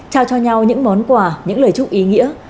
trao cho nhau những món quà những lời chúc ý nghĩa